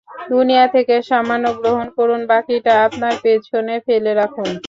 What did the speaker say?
দুনিয়া থেকে সামান্য গ্রহণ করুন, বাকিটা আপনার পেছনে ফেলে রাখুন।